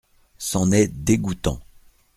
C’en est dégoûtant.